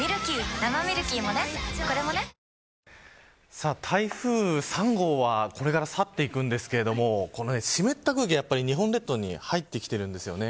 さあ、台風３号はこれから去っていくんですけれどもこの湿った空気が日本列島に入ってきてるんですよね。